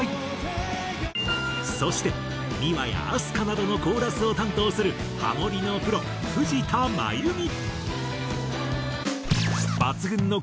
そして今やＡＳＫＡなどのコーラスを担当するハモリのプロ藤田真由美。